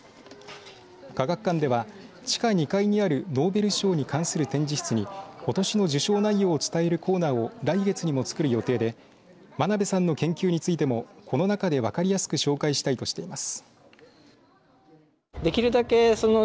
科学館では地下２階にあるノーベル賞に関する展示室にことしの受賞内容を伝えるコーナーを来月にも作る予定で真鍋さんの研究についてもこの中で分かりやすく紹介したいとしています。